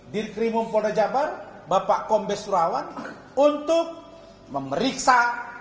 diri krimum polda jabar bapak kombes surawan untuk memeriksa